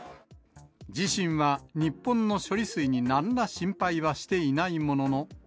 自身は日本の処理水になんら心配はしていないものの。